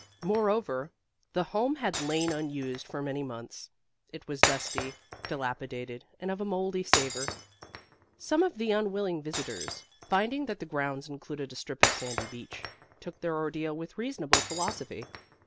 Moreover, the Home had lain unused for many months: it was dusty, dilapidated, and of a moldy savor. Some of the unwilling visitors, finding that the grounds included a strip of sandy beach, took their ordeal with reasonable philosophy.